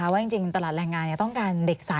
ว่าจริงตลาดแรงงานต้องการเด็ก๓